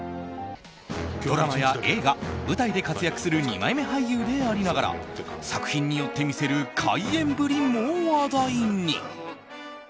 ドラマや映画、舞台で活躍する二枚目俳優でありながら作品によって見せる怪演ぶりも話題に。